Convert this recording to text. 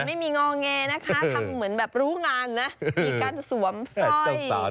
เคยไม่มีงอแงนะคะทำเหมือนรู้งานนะ